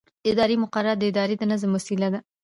اداري مقررات د ادارې د نظم وسیله ده.